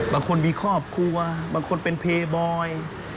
บางคนมีครอบครัวบางคนเป็นเพย์บอย